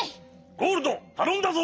ゴールドたのんだぞ！